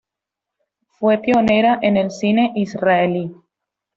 Fue pionera en el cine israelí.